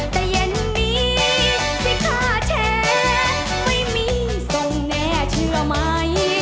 แต่เย็นนี้ที่ฆ่าแท้ไม่มีทรงแน่เชื่อไหม